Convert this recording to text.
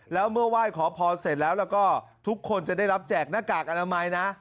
แล้วเมื่อไหว้ขอพรเสร็จแล้วแล้วก็ทุกคนจะได้รับแจกหน้ากากอนามัยนะ